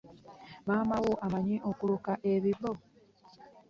Maama wo amanyi okuluka ebibbo?